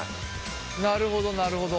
なるほどなるほど。